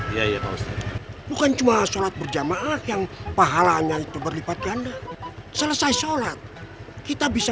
ya itu bukan cuma sholat berjamaah yang pahalanya itu berlipat ganda selesai sholat kita bisa